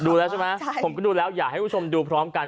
ดูแล้วใช่ไหมผมก็ดูแล้วอยากให้คุณผู้ชมดูพร้อมกัน